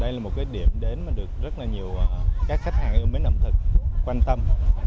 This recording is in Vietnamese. đây là một điểm đến mà được rất nhiều khách hàng yêu mến ẩm thực quan tâm